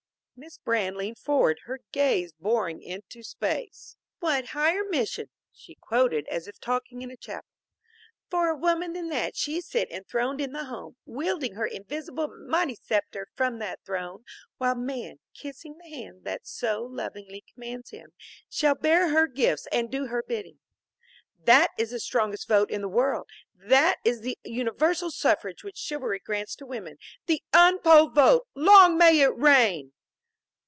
Miss Brand leaned forward, her gaze boring into space. "What higher mission," she quoted, as if talking in a chapel, "for woman than that she sit enthroned in the home, wielding her invisible but mighty scepter from that throne, while man, kissing the hand that so lovingly commands him, shall bear her gifts and do her bidding. That is the strongest vote in the world. That is the universal suffrage which chivalry grants to woman. The unpolled vote! Long may it reign!"